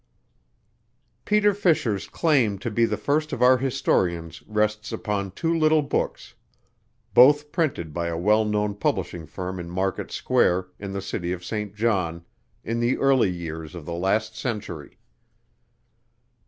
Peter Fisher's claim to be the first of our historians rests upon two little books, both printed by a well known publishing firm in Market Square, in the City of St. John, in the early years of the last century.